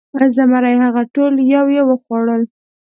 زمري هغه ټول یو یو وخوړل.